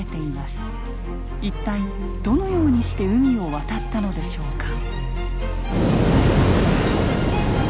一体どのようにして海を渡ったのでしょうか。